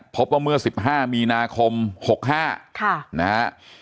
พบว่าเมื่อสิบห้ามีนาคมหกห้าค่ะนะฮะ